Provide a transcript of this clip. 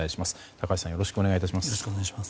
高橋さんよろしくお願いします。